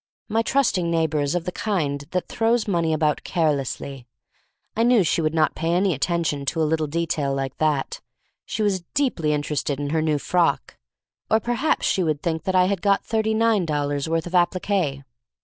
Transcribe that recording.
My trusting neighbor is of the kind that throws money about carelessly. I knew she would not pay any attention to a little detail like that, — she was deeply inter ested in her new frock; or perhaps she would think I had got thirty nine dol lars' worth of applique.